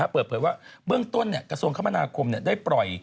เปิดเผยว่าเบื้องต้นกระทรวงคมนาคมได้ปล่อย